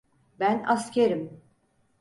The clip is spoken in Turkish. Ben askerim.